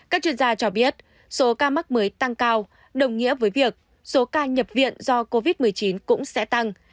các chuyên gia cho biết số ca mắc mới tăng cao đồng nghĩa với việc số ca nhập viện do covid một mươi chín cũng sẽ tăng